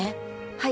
はい